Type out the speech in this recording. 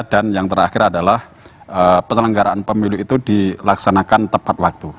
dan yang terakhir adalah penyelenggaraan pemilu itu dilaksanakan tepat waktu